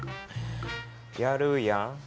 やるやん。